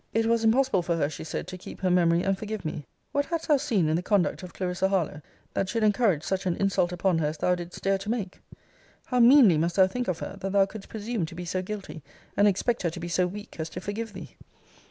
It was impossible for her she said to keep her memory and forgive me. What hadst thou seen in the conduct of Clarissa Harlowe, that should encourage such an insult upon her as thou didst dare to make? How meanly must thou think of her, that thou couldst presume to be so guilty, and expect her to be so weak as to forgive thee?